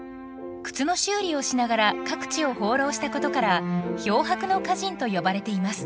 靴の修理をしながら各地を放浪したことから「漂泊の歌人」と呼ばれています。